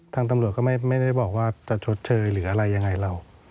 ทางตำรวจก็ไม่ได้บอกว่าจะชดเชยหรืออะไรยังไงเรา